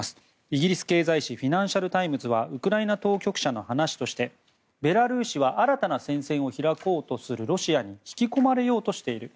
イギリス経済紙フィナンシャル・タイムズはウクライナ当局者の話としてベラルーシは新たな戦線を開こうとするロシアに引き込まれようとしている。